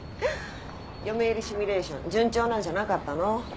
嫁入りシミュレーション順調なんじゃなかったの？